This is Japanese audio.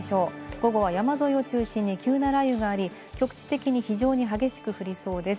午後は山沿いを中心に急な雷雨があり、局地的に非常に激しく降りそうです。